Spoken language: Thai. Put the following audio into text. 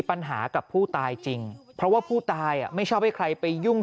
กับผู้ตายจริงเพราะว่าผู้ตายไม่ชอบให้ใครไปยุ่ง